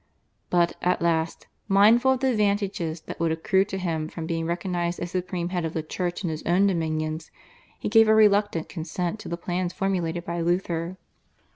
But, at last, mindful of the advantages that would accrue to him from being recognised as supreme head of the Church in his own dominions, he gave a reluctant consent to the plans formulated by Luther.